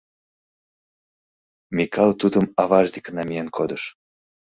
Микале тудым аваж деке намиен кодыш.